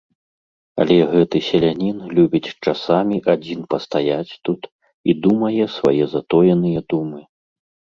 Але гэты селянін любіць часамі адзін пастаяць тут і думае свае затоеныя думы.